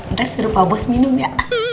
ntar serupa bos minum ya